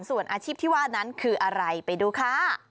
ส่วนอาชีพที่ว่านั้นคืออะไรไปดูค่ะ